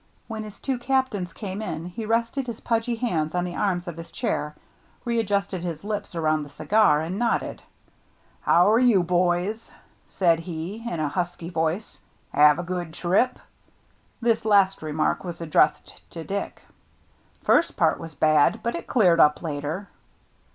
When his two captains came in, he rested his pudgy hands on the arms of his chair, readjusted his lips around the cigar, and nodded. " How are you, boys ?" said he, in a husky voice. " Have a good trip r '* This last remark was addressed to Dick. " First part was bad, but it cleared up later."